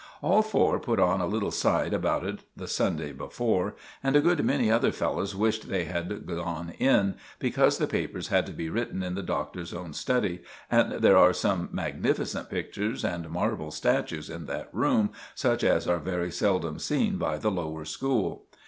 All four put on a little side about it the Sunday before, and a good many other fellows wished they had gone in, because the papers had to be written in the Doctor's own study, and there are some magnificent pictures and marble statues in that room such as are very seldom seen by the lower school.